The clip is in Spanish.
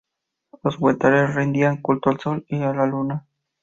Los huetares rendían culto al Sol y a la Luna.